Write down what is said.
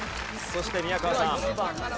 そして宮川さん。